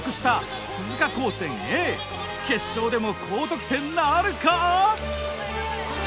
決勝でも高得点なるか！？